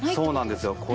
そうなんですよ。